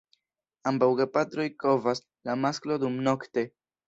Ambaŭ gepatroj kovas, la masklo dumnokte.